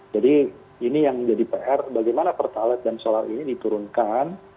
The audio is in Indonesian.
jadi ini yang menjadi pr bagaimana pertalat dan solar ini diturunkan